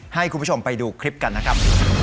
ให้คุณผู้ชมไปดูคลิปกันนะครับ